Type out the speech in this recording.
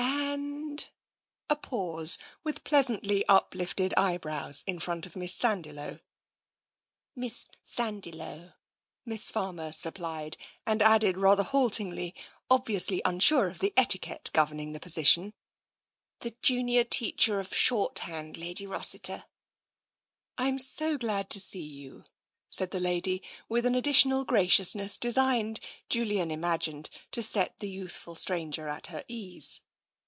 " And ?" A pause, with pleasantly up lifted eyebrows, in front of Miss Sandiloe. " Miss Sandiloe," Miss Farmer supplied, and added rather haltingly, obviously unsure of the etiquette gov erning the position :" The junior teacher of shorthand, Lady Rossiter." " Fm so glad to see you,'' said the lady, with an additional graciousness designed, Julian imagined, to set the youthful stranger at her ease.